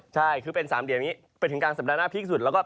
ใช่คือเป็น๓เดียวอย่างงี้ไปถึงกลางสัปดาห์หน้าพีคสุด